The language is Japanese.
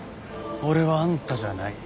俺はあんたじゃない。